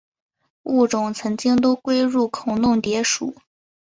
物种曾经都归入孔弄蝶属。